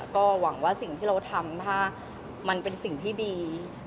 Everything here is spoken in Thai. ก็หวังว่าสิ่งที่เราทำถ้ามันเป็นสิ่งที่ดี